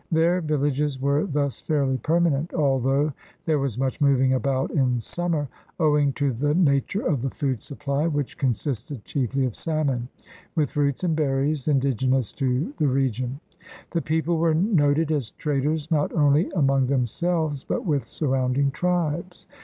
Their villages were thus fairly permanent, although there was much moving about in summer owing to the nature of the food supply, which consisted chiefly of salmon, with roots and berries indigenous to the region. The people were noted as traders not only among themselves but with surrounding tribes.